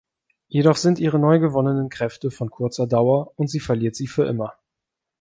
Jedoch sind ihre neu gewonnenen Kräfte von kurzer Dauer, und sie verliert sie für immer.